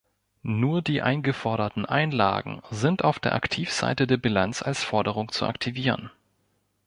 Nur die eingeforderten Einlagen sind auf der Aktivseite der Bilanz als Forderung zu aktivieren.